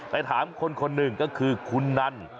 ไปถามคนหนึ่งก็คือคุณนัน